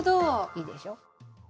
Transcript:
いいでしょ。